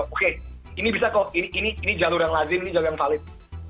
oke ini bisa kok ini jalur yang lazim ini jalur yang valid